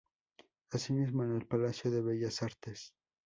Asimismo, en el Palacio de Bellas Artes.